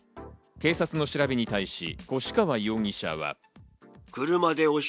警察の調べに対し、越川容疑者は。